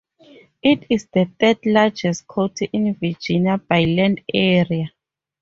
It is the third-largest county in Virginia by land area.